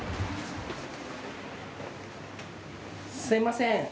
すみません。